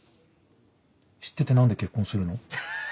知ってて何で結婚するの？